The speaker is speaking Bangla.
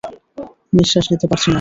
নিশ্বাস নিতে পারছি না।